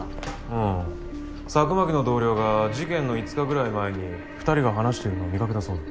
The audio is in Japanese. うん佐久巻の同僚が事件の５日ぐらい前に２人が話してるのを見かけたそうだ。